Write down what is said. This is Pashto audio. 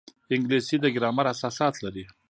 انګلیسي د ګرامر اساسات لري